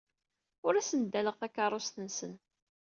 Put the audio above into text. Ur asen-ddaleɣ takeṛṛust-nsen.